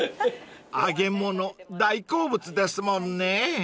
［揚げ物大好物ですもんね］